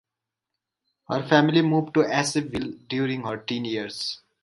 Her family moved to Asheville during her teen years.